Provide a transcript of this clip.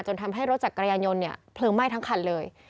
ทำให้รถจักรยานยนต์เนี่ยเพลิงไหม้ทั้งคันเลย